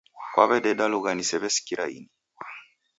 Kwaw'ededa lugha nisew'esikira ini